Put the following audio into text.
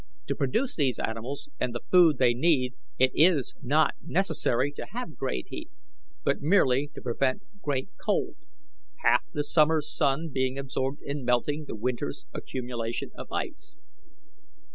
To produce these animals and the food they need, it is not necessary to have great heat, but merely to prevent great cold, half the summer's sun being absorbed in melting the winter's accumulation of ice.